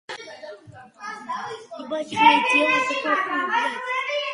ცხოველთა მასტურბაცია გავრცელებულია მრავალ სახეობაში, როგორც ველურ გარემოში, ისე ტყვეობაში.